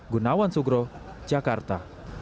gunawan sugro jakarta